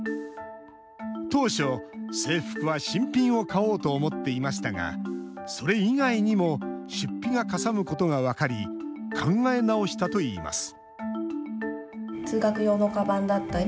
当初、制服は新品を買おうと思っていましたが、それ以外にも出費がかさむことが分かり、考え直したといいます。